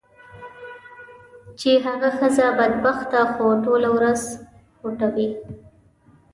چې هغه ښځه بدبخته خو ټوله ورځ خوټوي.